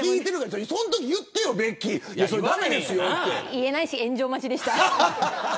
言えないし、炎上待ちでした。